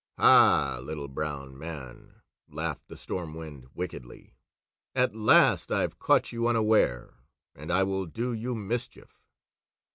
"Ha, Little Brown Man!" laughed the Storm Wind wickedly. "At last I've caught you unaware, and I will do you mischief!"